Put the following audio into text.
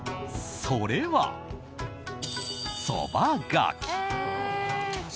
それは、そばがき。